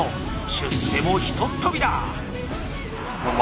出世もひとっ飛びだ！